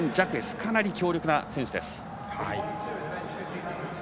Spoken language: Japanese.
かなり強力な選手です。